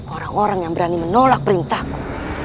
orang orang yang berani menolak perintahku